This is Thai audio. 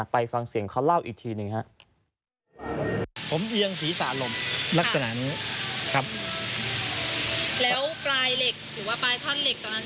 แล้วกลายเหล็กหรือว่าปลายท่อนเหล็กตอนนั้นอยู่ตรงไหน